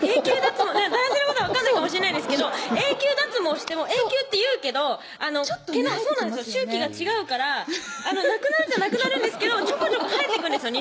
男性の方は分かんないかもしれないですけど永久脱毛しても永久っていうけど毛の周期が違うからなくなるっちゃなくなるんですけどちょこちょこ生えてくるんですよ